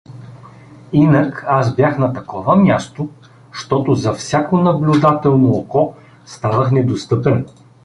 Инак аз бях на такова място, щото за всяко наблюдателно око ставах недостъпен.